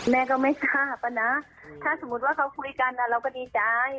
แม่ก็ไม่ทราบอะนะถ้าสมมุติว่าเขาคุยกันเราก็ดีใจ